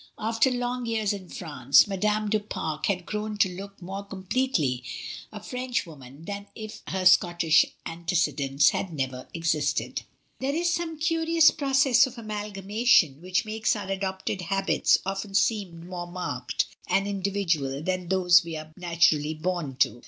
After long years in France, Madame du Pare had grown to look more com pletely a Frenchwoman than if her Scottish ante cedents had never existed. There is some curious process of amalgamation which makes our adopted habits often seem more marked and individual than those we are naturally bom to.